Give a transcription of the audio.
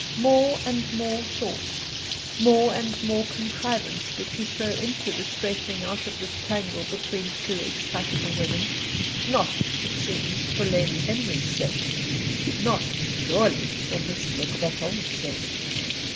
More and more thought, more and more contrivance did he throw into the straightening out of this tangle between two excitable women, not, it seemed, for Lady Henry's sake, not, surely, for Miss Le Breton's sake.